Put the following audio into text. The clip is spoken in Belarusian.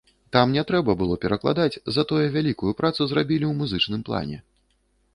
Там не трэба было перакладаць, затое вялікую працу зрабілі ў музычным плане.